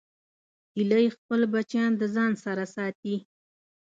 هیلۍ خپل بچیان د ځان سره ساتي